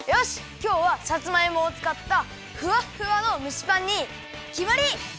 きょうはさつまいもをつかったふわっふわの蒸しパンにきまり！